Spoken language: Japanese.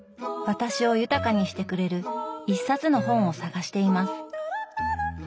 私を豊かにしてくれる一冊の本を探しています。